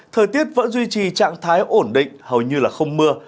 thời tiết vẫn duy trì trạng thái ổn định hầu như là không mưa